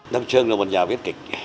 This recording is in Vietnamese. đâm trương là một nhà viết kịch